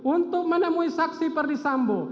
untuk menemui saksi perdisambo